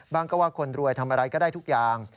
ว่าก็ว่าคนรวยทำอะไรก็ได้ทุกอย่าง